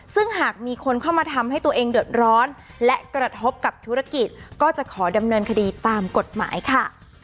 ซึ่งหากมีคนเข้ามาทำให้ตัวเองเดือดร้อนและกระทบกับธุรกิจก็จะขอดำเนินคดีตามกฎหมายค่ะ